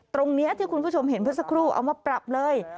ตรงนี้ที่คุณผู้ชมเห็นเมื่อสักครู่เอามาปรับเลย